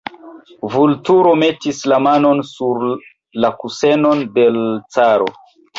Vulturo metis la manon sur la kusenon de l' caro.